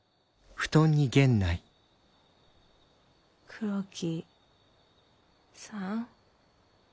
黒木さん？